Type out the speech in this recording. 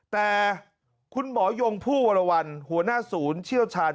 แต่คุณหมอยงผู้วรวรรณหัวหน้าศูนย์เชี่ยวชาญ